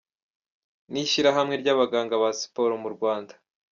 n’Ishyirahamwe ry’Abaganga ba Siporo mu Rwanda ”.